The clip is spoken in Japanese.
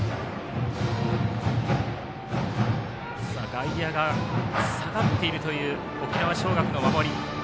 外野が下がっているという沖縄尚学の守り。